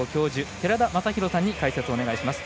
寺田雅裕さんに解説をお願いします。